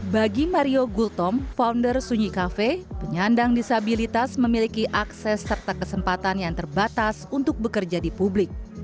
bagi mario gultom founder sunyi kafe penyandang disabilitas memiliki akses serta kesempatan yang terbatas untuk bekerja di publik